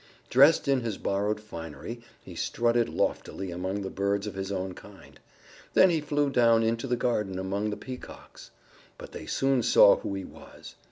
Dressed in his borrowed finery he strutted loftily among the birds of his own kind. Then he flew down into the garden among the Peacocks. But they soon saw who he was.